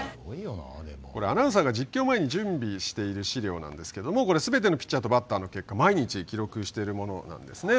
これアナウンサーが実況前に準備している資料なんですけれどもこれ、すべてのピッチャーとバッターの結果毎日記録しているものなんですね。